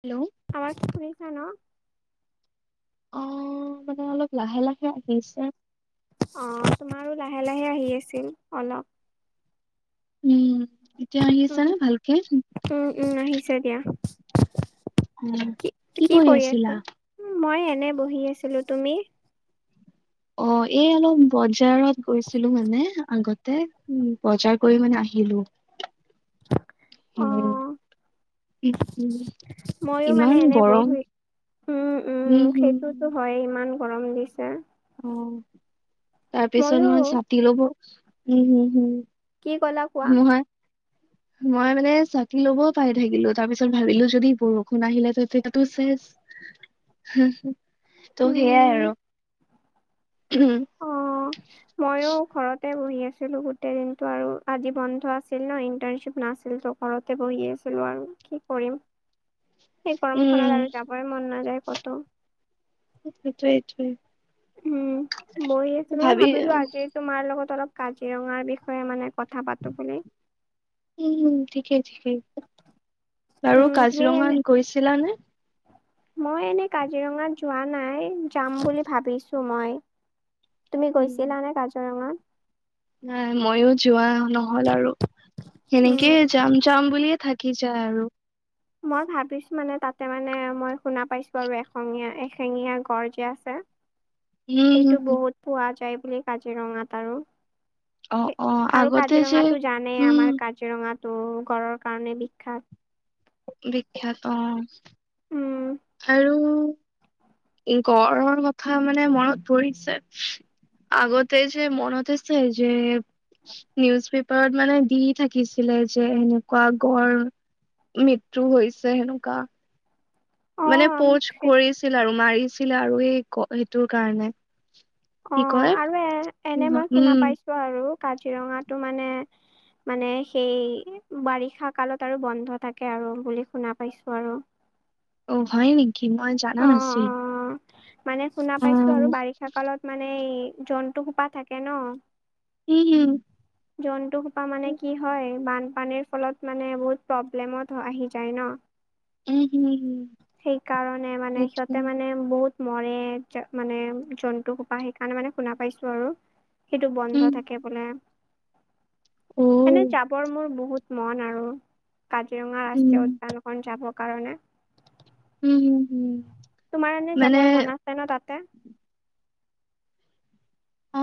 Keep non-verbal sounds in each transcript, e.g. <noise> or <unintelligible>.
Hello, আৱাজ শুনিছা ন? অ', মানে অলপ লাহে লাহে আহিছে। অ', তোমাৰো লাহে লাহে আহি আছিল অলপ। উম, এতিয়া আহিছে উম, নে ভালকে? উম, উম, আহিছে দিয়া। কি, কি কৰি আছা? মই এনে বহি আছিলো, তুমি? অ', এই অলপ বজাৰত গৈছিলো মানে আগত তে বজাৰ কৰি মানে আহিলো, হম। অ' উম, উম, ময়ো মানে ইমান এনে বহি গৰম, উম, উম, হম হম! সেইটোতো হয়, ইমান গৰম দিছে। অ', তাৰপিছত ময়ো মই ছাতি ল'ব, হম, হম, হম। কি কলা? কোৱা? নহয়। মই মানে ছাতি ল'বও পাহৰি থাকিলো। তাৰ পিছত ভাবিলো যদি বৰষুণ আহিলে তাতো চেছ। ত' সেইয়াই উম, আৰু হম। মইয়ো ঘৰতে বহি আছিলো গোটেই দিনটো আৰু আজি বন্ধ আছিল ন, ইন্টাৰশ্বিপ নাছিল। ত' ঘৰতে বহি আছিলো আৰু কি কৰিম। <inaudible> এই উম গৰমখনত আৰু যাবই মন নাযায় ক'তো। সেইটোৱে সেইটোৱে। হম, বহি আছিলো মই ভাবি ভাবিলো আজি তোমাৰ লগত অলপ কাজিৰঙাৰ বিষয়ে মানে কথা পাতো বুলি। উম, ঠিকেই ঠিকেই, বাৰু উম তুমি এনে কাজিৰঙাত গৈছিলানে? মই এনে কাজিৰঙাত যোৱা নাই, যাম বুলি ভাবিছো মই। তুমি উম গৈছিলা নে কাজিৰঙাত? নাই ময়ো যোৱা নহ'ল আৰু উম সেনেকেই যাম যাম বুলিয়ে থা কি যায় আৰু। মই ভাবিছো মানে তাতে মানে মই শুনা পাইছো আৰু এশঙীয়া এশিঙীয়া গড় যে আছে। <inaudible> সেইটো হম হম বহুত পোৱা যায় বুলি কাজিৰঙাত আৰু। অ সে অ আৰু আগতে যে কাজিৰঙাতো জানেই উম আমাৰ কাজিৰঙাটো গড়ৰ কাৰণে বিখ্যাত। বিখ্যাত অ'। উম আৰু গড়ৰ কথা মানে মনত পৰিছে। আগতে যে মনত আছে যে নিউজ পেপ পাৰত মানে দি থাকিছিলে যে এনেকুৱা গড় মৃত্যু হৈছে সেনেকুৱা। অ মানে প'জ সেই কৰিছিল আৰু মাৰিছিলে আৰু সেই সেইটোৰ কাৰণে। অ কি কয় সিংহ উম। টো আৰু কাজিৰঙাটো মানে মানে সেই বাৰিষা কালত আৰু বন্ধ থাকে আৰু বুলি শুনা পাইছো আৰু। অ', হয় নেকি? মই জানা অ নাছিলো। অ', মানে শুনা অ পাইছো আৰু বাৰিষা কালত মানে এই জন্তু সোপা থাকে ন। উম জন্তু সোপা মানে হম কি হয় বানপানীৰ ফলত মানে বহুত প্ৰব্লেমত আহি যায় ন। উম, উম, উম। কাৰণে মানে সিহঁতে মানে বহুত মৰে মানে জন্তু সোপা সেইকাৰণে মানে শুনা পাইছো আৰু। সেইটো বন্ধ উম থাকে বোলে। অ এনে যাবৰ মোৰ বহুত মন আৰু কাজিৰঙা উম ৰাষ্ট্ৰীয় উদ্যান খন যাব কাৰণে। উম, উম, তোমাৰ এনে যাবৰ মন আছে ন তাতে? অ,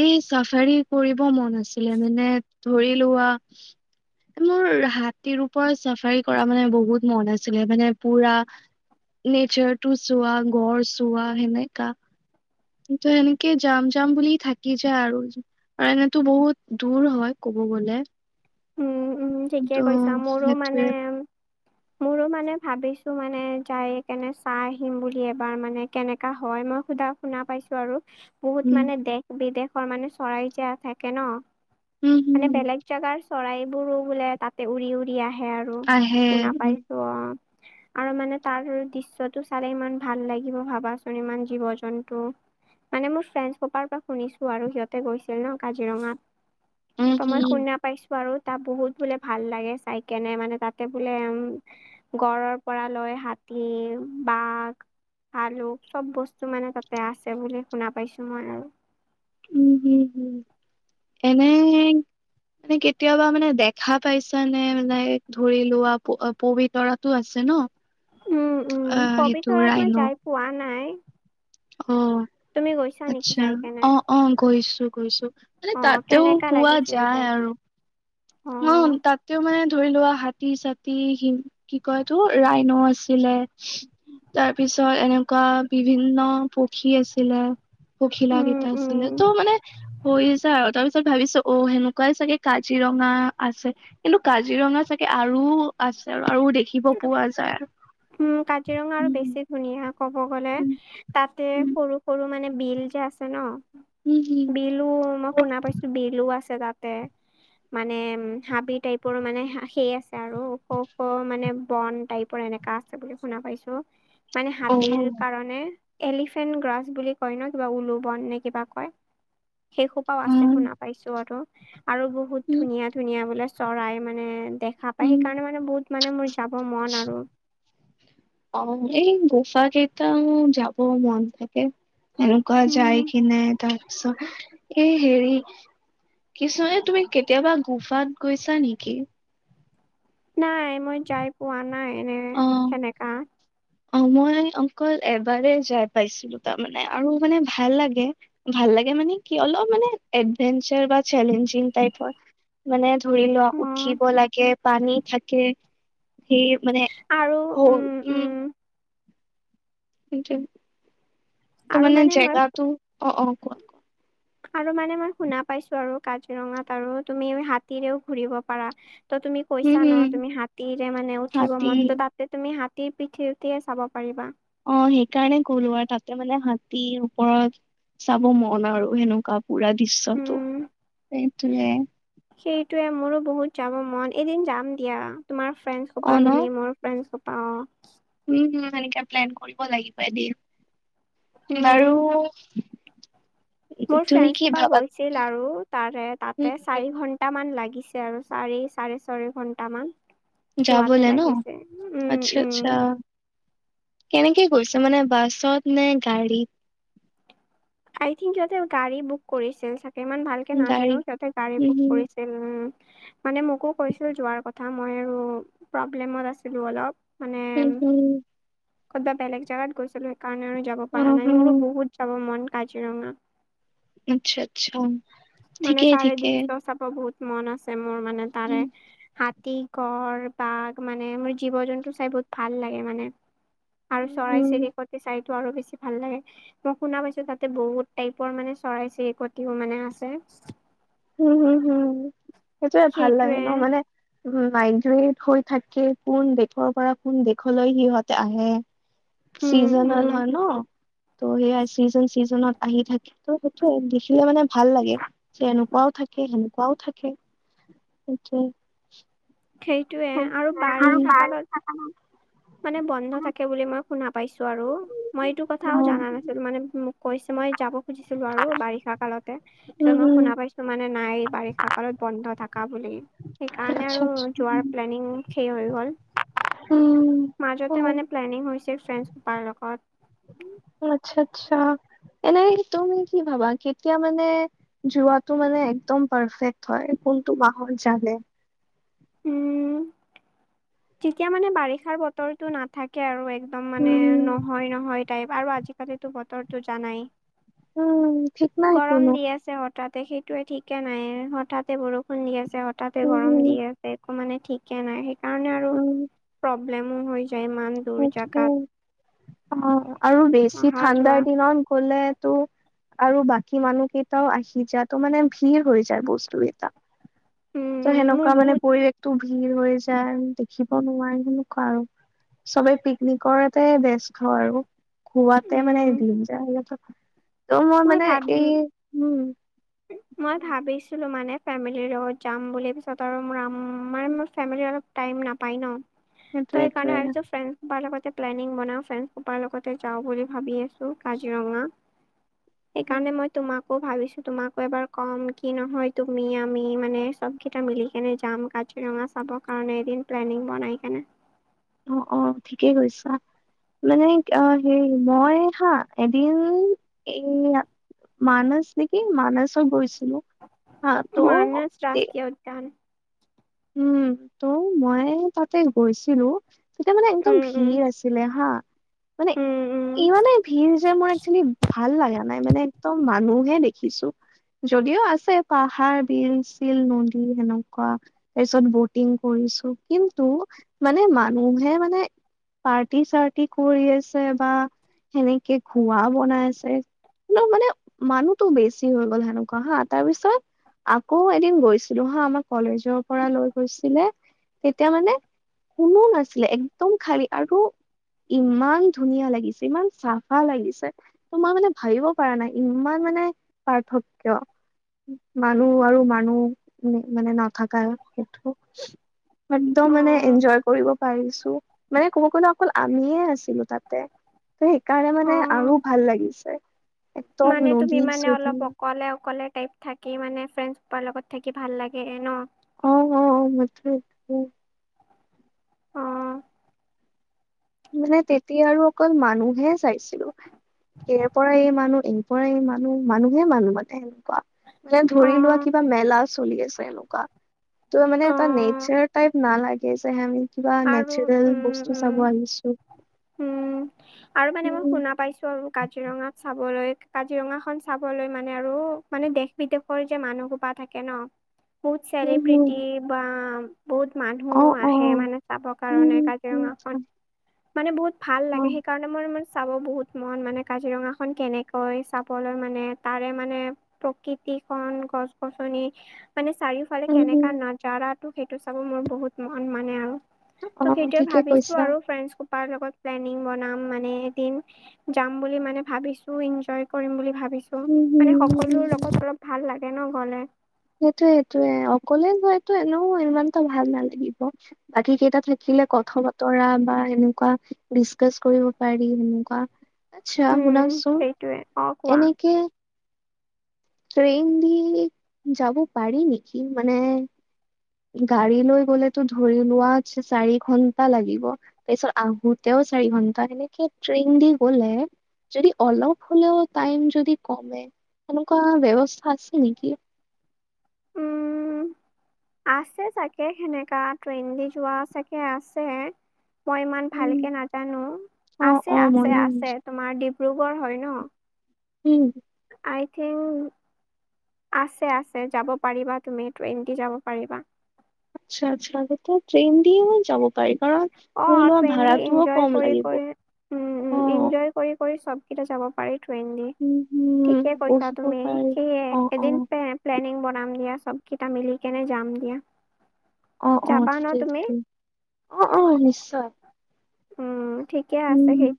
এই চাফাৰী কৰিব মন আছিলে মানে ধৰি লোৱা, মোৰ হাতীৰ ওপৰত চাফাৰী কৰা মানে বহুত মন আছিলে, মানে পুৰা নেচাৰটো চোৱা গড় চোৱা সেনেকা। তু সেনেকে জাম-জাম বুলি থাকি যায় আৰু। আৰু এনেতো বহুত দূৰ হয় ক'ব গলে। উম, উম, ত' ঠিকে কৈছা মোৰো মানে সেইটোৱে মোৰো মানে ভাবিছো মানে যাই কেনে চাই আহিম বুলি এবাৰ মানে কেনেকা হয় মই সোধা। শুনা পাইছো আৰু। বহুত উম। মানে দেশ বিদেশৰ মানে চৰাই যে থাকে ন' উম মানে হম বেলেগ জেগাৰ চৰাইবোৰো বোলে তাতে উৰি-উৰি আহে আৰু আহে শুনা পাইছো। অ'। <unintelligible> আৰু মানে তাৰ দৃশ্যটো চালে ইমান ভাল লাগিব ভাবাচোন ইমান জীৱ-জন্তু, মানে মোৰ ফ্ৰেণ্ডছ সোপাৰপৰা পৰা শুনিছো আৰু সিহঁতে গৈছিল ন কাজিৰঙাত। উম ত মই হম শুনা পাইছো। আৰু তাত বহুত বোলে ভাল লাগে চাই কেনে মানে তাতে বোলে উম, গঁড়ৰ পৰা লৈ হাতী, বাঘ, আলু চব বস্তু মানে তাতে আছে বুলি শুনা পাইছো মই আৰু। উম, হম-হম এনে মানে কেতিয়াবা মানে দেখা পাইছানে নাই ধৰি লোৱা পবিতৰাতো আছে ন', উম, অ উম, সেইটো পবিতৰাত মই ৰাইন' যাই পোৱা নাই। অ', তুমি গৈছা নেকি আচ্ছা, যাই কেনে? অ, অ, গৈছো-গৈছো। মানে অ' তাতেও কেনেকা পুৱা লাগিছিল যাই আৰু ন অ' তাতেও মানে ধৰি লোৱা হাতী চাতী কি কয় এইতো ৰাইন' আছিলে। তাৰ পিছত এনেকুৱা বিভিন্ন পক্ষী আছিলে। পখিলা উম কেইটা আছিলে উম। ত' মানে হৈ আছে। আৰু তাৰ পিছত ভাবিছো অ, সেনে এনেকুৱাই চাগে কাজিৰঙা আছে কিন্তু কাজিৰঙা চাগে আৰু আছে আৰু আৰু দেখিব পোৱা যায় আৰু। উম, কাজিৰঙা আৰু উম বেছি ধুনীয়া ক'ব গ'লে। তাতে উম সৰু-সৰু, মানে বিল যে আছে ন। উম, উম, বিলো মই শুনা পাইছো বিলো আছে তাতে। মানে হাবি টাইপৰো মানে সেই আছে আৰু ওখ-ওখ মানে বন টাইপৰ এনেকা আছে। বুলি শুনা পাইছো মানে হম অ হাতীৰ কাৰণে, এলিফেণ্ট গ্ৰাছ বুলি কয় ন কিবা উলো বন নে কিবা কয়? শেই খোপাও আছে উম শুনা পাইছো আৰু-আৰু বহুত উম ধুনীয়া-ধুনীয়া বোলে, চৰাই মানে দেখা পায় উম সেইকাৰণে মানে বহুত মানে মোৰ যাব মন আৰু। অ, এই গোফা কেইটাও যাব মন থাকে। এনেকোৱ উম যাইকিনে তাৰপিছত, এই হেৰি কিছুমানে তুমি কেতিয়াবা গোফাত গৈছা নেকি? নাই মই যাই পোৱা নাই এনে অ সেনেকা, অ, মই অকল এবাৰে যাই পাইছিলো তাৰমানে আৰু মানে ভাল লাগে। ভাল লাগে মানে কি অলপ মানে এডভেঞ্চাৰ বা চেলেঞ্জিং টাইপৰ মানে ধৰি লোৱা অ উঠিব লাগে, পানী থাকে সেই মানে আৰু সৰু উম, উম, কিন্তু আৰু মানে মই জেগাটো অ, অ, কোৱা-কোৱা? আৰু মানে মই শুনা পাইছো আৰু কাজিৰঙাত আৰু তুমি হাতীৰেও ঘুৰিব পাৰা। ত' তুমি উম কৈছা হম ন'! তুমি হাতীৰে মানে, উঠিব হাতী মনটো তাত ত' তুমি হাতীৰ পিঠিত উঠিয়ে চাব পাৰিবা। অ'! সেইকাৰণে গ'লো আৰু তাতে মানে, হাতীৰ ওপৰত চাব মন আৰু সেনেকুৱা! পূৰা দৃশ্যটো! উম। সেইটোৱে। সেইটোৱে, মোৰো বহুত যাব মন! এদিন যাম দিয়া, তোমাৰ ফ্ৰেণ্ড অ সোপা ন মিলি, মোৰ। ফ্ৰেণ্ডছ সোপা, অ'! উম, সেনেকে প্লেন কৰিব লাগিব, এদিন। বাৰু উম। মোৰ তুমি ফ্ৰেণ্ডছ কি সোপা ভাবা গৈছিল আৰু তাৰে, তাতে উম, চাৰি ঘন টামান লাগিছে আৰু। চাৰি, চাৰে ছয় ঘণ্টা মান। যাবলে যোৱাতে ন লাগিছে। উম, আচ্ছা আচ্ছা। উম। কেনেকে গৈছে মানে, বাছত নে গাড়ীত? I think! সিহঁতে গাড়ী বুক কৰিছিল চাগে! ইমান ভালকে গাড়ী নাজানোঁ। সিহঁতে, গাড়ী উম বুক হুম। কৰিছিল। উম! মানে, মোকো কৈছিল! যোৱাৰ কথা। মই আৰু প্ৰব্লেমত আছিলোঁ, অলপ। মানে, উম হুম ক'ৰবাত বেলেগ জাগাত গৈছিলোঁ। সেইকাৰণে, আৰু যাব অ পৰা নাই। হুম মোৰো বহুত চাব মন কাজিৰঙা! আচ্ছা! আচ্ছা! মানে, ঠিকেই তাৰে ঠিকেই। দৃশ্য চাব বহুত মন আছে! মোৰ মানে, উম তাৰে হাতী, গড়, বাঘ মানে, মোৰ জীৱ-জন্তু চাই বহুত ভাল লাগে, মানে! আৰু উম হুম চৰাই-চিৰিকটি চাই। আৰু বেছি ভাল লাগে! মই শুনা পাইছোঁ, তাতে বহুত টাইপৰ মানে, চৰাই-চিৰিকটিও মানে, আছে। <unintelligible> হোঁ হোঁ হোঁ, সেইটোৱে ভাল লাগে ন'! মানে। উম, মাইগ্ৰেট হৈ থাকে। কোন দেশৰ পৰা, কোন দেশলৈ, সিহঁতে আহে। উম চিজনেল উম মানুহ। ত' সেয়া, চিজন, চিজনত আহি থাকে। ত' সেইটোৱে, দেখিলে মানে, ভাল লাগে। যে এনে তেনেকুৱাও থাকে, সেনেকুৱাও থাকে। সেইটোৱে! সেইটোৱে আৰু বাৰিষা আচ্ছা কালত মানে, বন্ধ থাকে বুলি, মই শুনা পাইছোঁ আৰু। মই, এইটো কথাও জানা নাছিলোঁ। মানে, মোক কৈছে, মই যাব খুজিছিলোঁ আৰু বাৰিষা কালতে। তাৰপিছত, মই শুনা পাইছোঁ, মানে নাই। বাৰিষা কালত বন্ধ থকা বুলি। সেইকাৰণে আৰু আচ্ছা যোৱাৰ প্লেনিং সেই হৈ গ'ল। উম মাজতে মানে, প্লেনিং হৈছে ফ্ৰেণ্ডছ <unintelligible> লগত। আচ্ছা, আচ্ছা! এনেই তুমি কি ভাবা? কেতিয়া মানে যোৱাটো মানে, একদম পাৰফেক্ট হয়। কোনটো মাহৰ <unintelligible> উম! তেতিয়া মানে, বাৰিষাৰ বতৰটো নাথাকে আৰু। এক একদম মানে, উম নহয়, নহয় টাইপ। আৰু আজিকালিতো, বতৰটো জানাই! উম! ঠিক নাই গৰম কোনো দি আছে, হঠাতে। সেইটোৱে, ঠিকে নাই। হঠাতে বৰষুণ বৰষুণ দি আছে। হঠাতে গৰম উম দি আছে, একো মানে, ঠিকে নাই। সেইকাৰণে আৰু উম প্ৰব্লেমো হয়, দূৰ সেইটোৱে জাগাত। অ'! আৰু বেছি অহা যোৱা ঠাণ্ডাৰ দিনত গ'লে, তোৰ আৰু বাকী মানুহকেইটাও আহি যায়। ত' মানে, ভিৰ হৈ যায়, বস্তু কেইটা। ত' উম মোৰ সেনেকুৱা মানে, বহুত পৰিৱেশতটো ভিৰ হৈ যায়। দেখিব নোৱাৰি, সনেকুৱা আৰু। চবেই পিকনিকৰতে ব্যস্ত আৰু। খোৱাতে মানে, উম দিন যায় সিহঁতৰ। ত' মই মানে, এই, উম! মই ভাবিছিলোঁ মানে, ফেমিলিৰ লগত যাম বুলি! তাতে আৰু মোৰ মানে, মোৰ ফেমিলি অলপ টাইম নাপায় ন'! সেইটোৱে ত' সেইকাৰণে, সেইটোৱে ভাবিছোঁ! ফ্ৰে সোপাৰ লগতে প্লেনিং বনাওঁ। ফ্ৰেণ্ড সোপাৰ লগতে, যাওঁ বুলি ভাবি আছোঁ! কাজিৰঙা। সেইকাৰণে, মই তোমাকো ভাবিছোঁ তোমাকো এবাৰ কম, কি নহয় তুমি আমি মানে চবকেইটা মিলি কেনে যাম কাজি ৰঙা চাবৰ কাৰণে, এদিন প্লেনিং বনাই কেনে। অ', অ' ঠিকেই কৈছা। মানে আ, হেই মই হা, এদিন এ মানাছ নেকি মানছত গৈছিলোঁ হা, ত' দে টান উম, ত' মই তাতে গৈছিলোঁ তেতিয়া মানে একদম উম উম ভিৰ আছিলে হা, মানে উম ইমানেই ভিৰ যে মোৰ একচেলি ভাল লগা নাই, মানে একদম মানুহে দেখিছোঁ। যদিও আছে পাহাৰ, বিল চিল, নদী সেনেকুৱা। তাৰপিছত বটিং কৰিছোঁ কিন্তু মানে মানুহে মানে পাৰ্টি চাৰ্টি কৰি আছে বা সেনেকে ঘোৱা বনাই আছে। মানে মানে মানুহটো বেছি হৈ গ'ল সেনেকুৱা হা, তাৰপিছত আকৌ এদিন গৈছিলোঁ হা, আমাৰ কলেজৰপৰা লৈ গৈছিলে তেতিয়া মানে। কোনো নাছিলে একদম খালী আৰু ইমান ধুনীয়া লাগিছে, ইমান চাফা লাগিছে তোমাৰ মানে ভাবিবপৰা নাই ইমান মানে পাৰ্থক্য। মানুহ আৰু মানুহ মানে নাথকা সেইটো। একদম মানে উম এনজয় কৰিব পাৰিছোঁ। মানে ক'ব গ'লে অকল আমিয়ে আছিলোঁ তাতে। ত' সেইকাৰণে অ অ মানে আৰু ভাল লাগিছে। একদম মানে তুমি নদী মানে চদী অলপ অকলে অকলে টাইপ থাক কি মানে ফ্ৰেণ্ডচ লগত থাকি ভাল লাগে ন'? অ', অ', অ' মইতো অ মানে তেতিয়া আৰু অকল মানুহে চাইছিলোঁ। ইয়াৰপৰাই এই মানুহ, ইয়াৰপৰাই মানুহ, মানুহে মানুহ মানে বাহ। মান অ ধৰি লোৱা কিবা মেলা চলি আছে এনেকুৱা। ত' মানে অ এটা নেচাৰ টাইপ নালাগে যে আমি কিবা আৰু নেচাৰেল উম বস্তু উম চাব আহিছোঁ। উম, আৰু মানে মোৰ উম, শুনা পাইছোঁ আৰু কাজিৰঙাত চাবলৈ, কাজিৰঙাখন চাবলৈ মানে আৰু মানে দেশ বিদেশৰ যে মানুহ সোপা থাকে ন' <inaudible> বহুত হুম, হুম, চেলিব্ৰিটি বা বহুত অ', মানুহ আহে অ', মানে চাব কাৰণে উম, উম, কাজিৰঙাখন, মানে বহুত ভাল লাগে অ', সেইকা কাৰণে মোৰ ইমান চাব বহুত মন মানে কাজিৰঙাখন কেনেকৈ চাবলৈ মানে, তাৰেমানে প্ৰকৃতিখন গছ গছনি মানে চাৰিও ফালে কেনেকা উম, নাজাৰটো সেইটো চাব মোৰ বহুত মন মানে আৰু। ত' অ', সেইটোৱে ঠিকে ভাবিছোঁ কৈছা। আৰু ফ্ৰেণ্ডছ সুপাৰ লগত প্লেনি বনাম মানে এদিন যাম বুলি মানে ভাবিছোঁ, এনজয় কৰিম বুলি ভাবিছোঁ উম, হুম। হুম, সকলোৰ লগত অলপ ভাল লাগে ন' গলে? সেইটোয়ে সেইটোয়ে, অকলে গলেতো এনেও ইমান এটা ভাল নালাগিব। বাকীকেইটা থাকিলে কথা বতৰা বা সেনেকুৱা ডিচকাচ কৰিব পাৰি সেনেকুৱা। আচ্ছা উম শুনাচোন, সেইটোৱে অ কোৱা এনেকে ট্ৰেইন দি যাব পাৰি নেকি মানে গাড়ী লৈ গ'লেতো ধৰি লোৱা চাৰি ঘন্টা লাগিব। তাৰপিছত আহোতেও চাৰি ঘণ্টা, এনেকে ট্ৰেইন দি গ'লে যদি অলপ হ'লেও টাইম যদি কমে। এনেকুৱা ব্যৱস্থা আছে নেকি? উম আছে চাগে, সেনেকা ট্ৰেইন দি যোৱা চাগে আছে। মই ইমান উম, ভালকে নাজানো। অ', আছে। অ', ময়ো আছে। আছে। ভাবিছো। তোমাৰ ডিব্ৰুগড় হয় ন? উম। আই থিংক! আছে। আছে। যাব পাৰিবা তুমি। ট্ৰেইন দি যাব পাৰিবা। আচ্ছা। আচ্ছা। তেতিয়া ট্ৰেইন দিয়ে মই যাব পাৰিম। কাৰণ অ ধৰি লোৱা ট্ৰেইন দি ভাড়াটোও ইনজয় কম কৰি লাগিব। কৰি উম উম অহ। ইনজয় কৰি -কৰি চব। যাব পাৰি ট্ৰেইন দি। উম, হম, ঠিকে কৈছা বহিব তুমি। পাৰি সেয়ে অ', এদিন অ', পে প্লেনিং বনাম দিয়া। সবকেইটা মিলি কেনে যাম দিয়া। অ। অ। যাবা ন ঠিকেই। তুমি ঠিকেই। অ'। অ'। নিশ্চয়। উম। ঠিকে আছে। উম। সেই